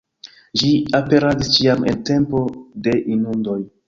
Ĝi aperadis ĉiam en tempo de inundoj.